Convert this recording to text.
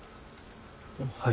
はい。